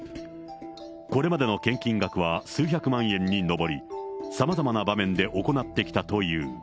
これまでの献金額は数百万円に上り、さまざまな場面で行ってきたという。